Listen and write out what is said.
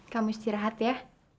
kamu istirahat ya